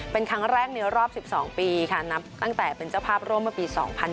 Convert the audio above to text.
เป็นครั้งแรกในรอบ๑๒ปีค่ะนับตั้งแต่เป็นเจ้าภาพร่วมเมื่อปี๒๐๒๐